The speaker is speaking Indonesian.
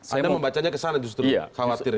anda membacanya ke sana justru khawatirnya